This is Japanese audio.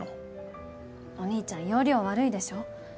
お兄ちゃん要領悪いでしょ？